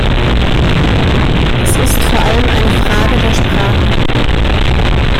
Es ist vor allem eine Frage der Sprache.